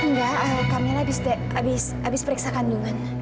enggak kamila habis dek habis periksa kandungan